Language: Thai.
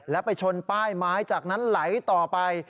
แล้วไปชนป้ายไม้จากนั้นไหลต่อไป